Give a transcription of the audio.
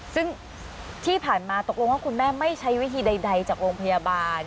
ซึ่งที่ผ่านมาตกลงว่าคุณแม่ไม่ใช้วิธีใดจากโรงพยาบาล